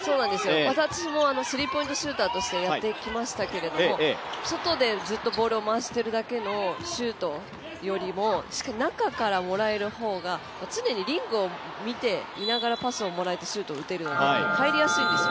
私もスリーポイントシューターとしてやってきましたけれども外でずっとボールを回してるだけのシュートよりも中からもらえる方が常にリングを見ていながらパスをもらえてシュートを打てるので入りやすいんですよ。